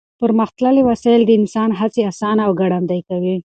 پرمختللې وسایل د انسان هڅې اسانه او ګړندۍ کوي.